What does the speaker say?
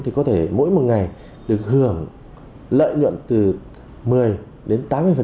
thì có thể mỗi một ngày được hưởng lợi nhuận từ một mươi đến tám mươi